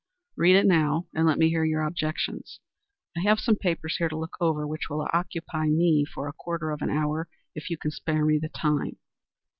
Read it now and let me hear your objections. I have some papers here to look over which will occupy me a quarter of an hour, if you can spare me the time."